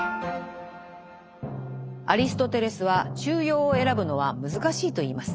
アリストテレスは中庸を選ぶのは難しいと言います。